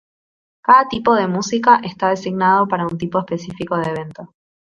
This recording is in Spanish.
Cada tipo de música está designado para un tipo específico de evento.